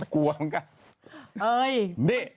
กลัวเหมือนกัน